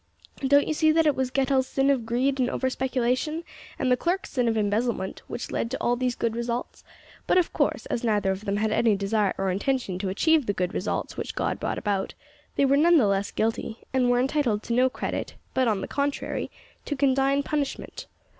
"Don't you see that it was Getall's sin of greed and over speculation, and the clerk's sin of embezzlement, which led to all these good results; but, of course, as neither of them had any desire or intention to achieve the good results which God brought about, they were none the less guilty, and were entitled to no credit, but, on the contrary, to condign punishment.